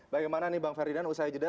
bagaimana nih bang ferdinand usai jeda